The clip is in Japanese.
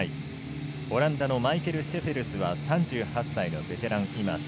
オランダのマイケル・シェフェルスは３８歳のベテラン。